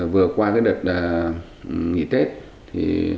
vừa qua đợt nghỉ tết